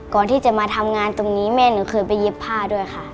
ก่อนที่จะมาทำงานตรงนี้แม่หนูเคยไปเย็บผ้าด้วยค่ะ